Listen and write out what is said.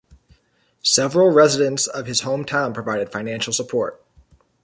Several residents of his hometown provided financial support.